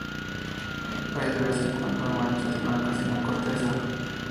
Hay de vez en cuando manchas blancas en la corteza.